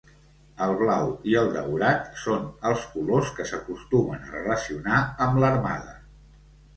El blau i el daurat són els colors que s'acostumen a relacionar amb l'armada.